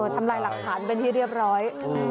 ทำลายหลักฐานเป็นที่เรียบร้อย